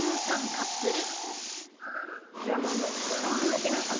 カップル。